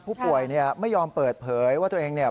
ผู้ป่วยเนี่ยไม่ยอมเปิดเผยว่าตัวเองเนี่ย